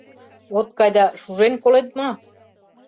— От кай да шужен колет мо?